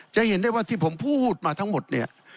จะเห็นได้ว่าที่ผมพูดมาทั้งหมดเนี่ย